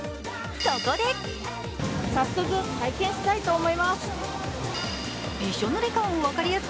そこで早速体験したいと思います。